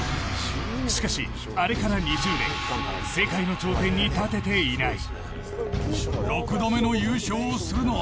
しかし、あれから２０年世界の頂点に立てていない。